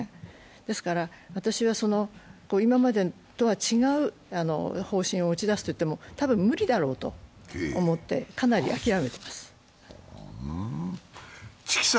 ですから、私は今までとは違う方針を打ち出すと言っても多分無理だろうと思って、かなり諦めてます。